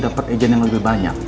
dapet agent yang lebih banyak